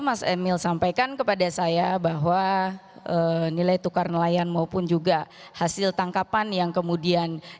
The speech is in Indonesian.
mas emil sampaikan kepada saya bahwa nilai tukar nelayan maupun juga hasil tangkapan yang kemudian